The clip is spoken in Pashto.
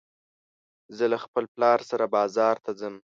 زه له خپل پلار سره بازار ته ځم